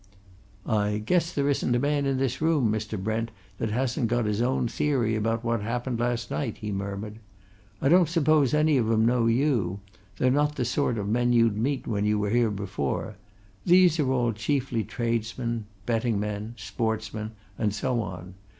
"I guess there isn't a man in this room, Mr. Brent, that hasn't got his own theory about what happened last night," he murmured. "I don't suppose any of 'em know you they're not the sort of men you'd meet when you were here before these are all chiefly tradesmen, betting men, sportsmen, and so on.